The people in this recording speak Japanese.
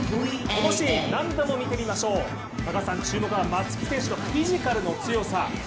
このシーン、何度も見てみましょう高橋さん、注目は松木選手のフィジカルの強さ。